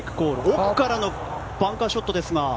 奥からのバンカーショットですが。